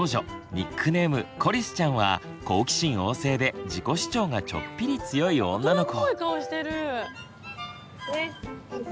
ニックネームコリスちゃんは好奇心旺盛で自己主張がちょっぴり強い女の子。